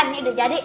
ini udah jadi